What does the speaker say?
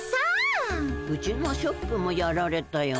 うちのショップもやられたよ。